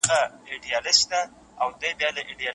د پوهي پراخوالی له مهارتونو مهم وي.